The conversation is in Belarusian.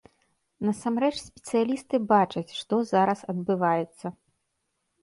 Насамрэч спецыялісты бачаць, што зараз адбываецца.